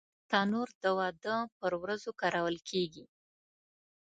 تنور د واده پر ورځو کارول کېږي